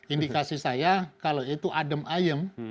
indikasi saya kalau itu adem ayem